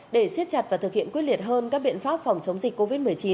để siết chặt và thực hiện quyết liệt hơn các biện pháp phòng chống dịch covid một mươi chín